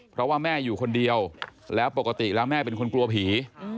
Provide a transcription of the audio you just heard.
เพราะว่าแม่อยู่คนเดียวแล้วปกติแล้วแม่เป็นคนกลัวผี